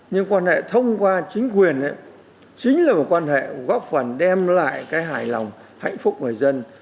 nhưng quan hệ thông qua chính quyền chính là một quan hệ góp phần đem lại cái hài lòng hạnh phúc người dân